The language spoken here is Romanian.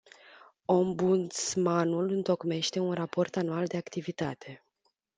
Ombudsmanul întocmește un raport anual de activitate.